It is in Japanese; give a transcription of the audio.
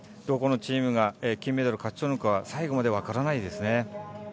どこのチームが金メダルを勝ち取るのか最後まで分からないですね。